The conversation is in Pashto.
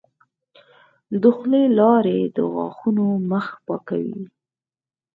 د خولې لاړې د غاښونو مخ پاکوي.